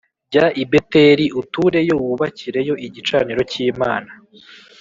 Jya i Beteli utureyo wubakireyo igicaniro cy’Imana